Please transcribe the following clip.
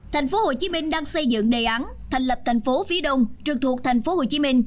tp hcm đang xây dựng đề án thành lập tp phía đông trực thuộc tp hcm